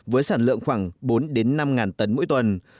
với sản lượng khoảng bốn năm tấn mỗi tuần